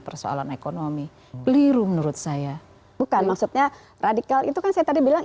persoalan ekonomi keliru menurut saya bukan maksudnya radikal itu kan saya tadi bilang